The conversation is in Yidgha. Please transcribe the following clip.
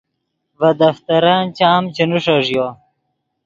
ڤے دفترن چام چے نیݰݱیو